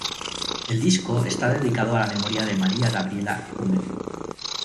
El disco está dedicado a la memoria de María Gabriela Epumer.